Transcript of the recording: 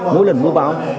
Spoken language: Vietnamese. mỗi lần mua báo